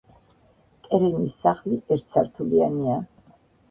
კერენის სახლი ერთსართულიანია.